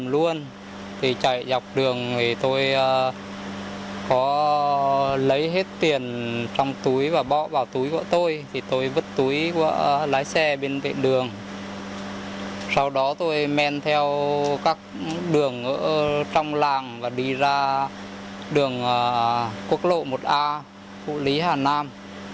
lái xe bên vệ đường sau đó tôi men theo các đường trong làng và đi ra đường quốc lộ một a phủ lý hà nam